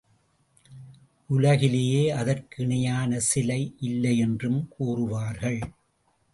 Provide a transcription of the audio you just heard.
உலகிலேயே அதற்கு இணையான சிலை இல்லையென்றும் கூறுவார்கள்.